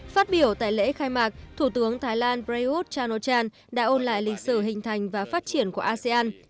phát biểu tại lễ khai mạc thủ tướng thái lan prayuth chan o chan đã ôn lại lịch sử hình thành và phát triển của asean